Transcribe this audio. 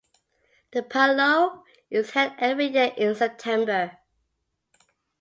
The Palio is held every year in September.